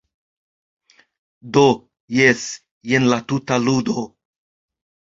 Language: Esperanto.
Do, jes, jen la tuta ludo.